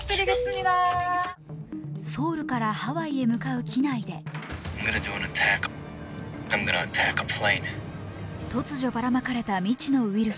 ソウルからハワイへ向かう機内で突如ばらまかれた未知のウイルス。